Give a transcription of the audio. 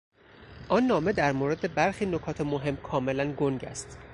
آن نامه در مورد برخی نکات مهم کاملا گنگ است.